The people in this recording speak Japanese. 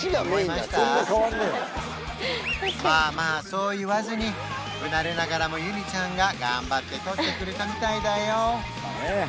まあまあそう言わずに不慣れながらもユニちゃんが頑張って撮ってくれたみたいだよ